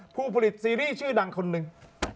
ผู้ผลิตซีรีส์ชื่อดังคนหนึ่ง